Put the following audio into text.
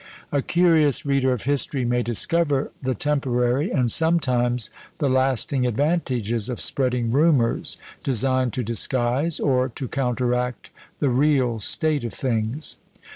A curious reader of history may discover the temporary and sometimes the lasting advantages of spreading rumours designed to disguise, or to counteract the real state of things.